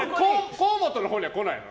河本のほうにはこないの？